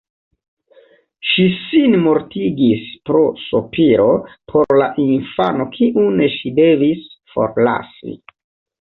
Ŝi sinmortigis pro sopiro por la infano kiun ŝi devis forlasi.